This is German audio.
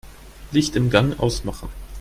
Licht im Gang ausmachen.